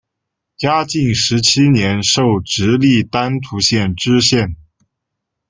嘉靖十七年授直隶丹徒县知县。